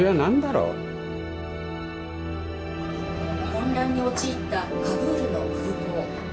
「混乱に陥ったカブールの空港」。